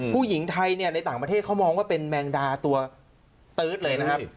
ผู้หญิงไทยเนี่ยในต่างประเทศเขามองว่าเป็นแมงดาตัวตื๊ดเลยนะครับ